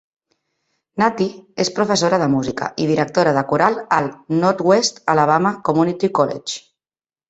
Kathy és professora de música i directora de coral al Northeast Alabama Community College.